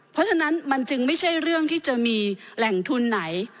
เพราะฉะนั้นมันจึงไม่ใช่เรื่องที่จะมีแหล่งทุนไหน